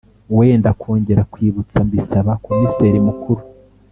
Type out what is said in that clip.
wenda kongera kwibutsa mbisaba komiseri mukuru